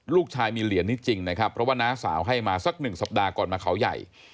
ลูกชายมีเหรียญนี้จริงนะครับเพราะว่าน้าสาวให้มาสักหนึ่งสัปดาห์ก่อนมาเขาใหญ่